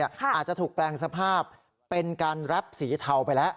อาจจะถูกแปลงสภาพเป็นการแรปสีเทาไปแล้ว